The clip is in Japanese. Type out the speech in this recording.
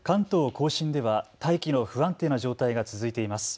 甲信では大気の不安定な状態が続いています。